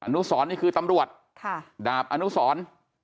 นุสรนี่คือตำรวจดาบอนุสร